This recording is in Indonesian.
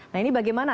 nah ini bagaimana